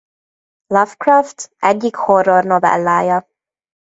Lovecraft egyik horror novellája.